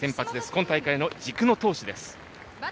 今大会の軸の投手です。